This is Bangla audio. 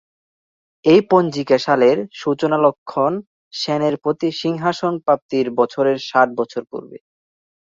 এই পঞ্জিকা সালের সূচনা লক্ষ্মণ সেনের সিংহাসন প্রাপ্তির বছরের ষাট বছর পূর্বে।